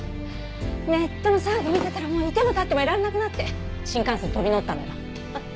ネットの騒ぎ見てたらもういても立ってもいられなくなって新幹線飛び乗ったのよ。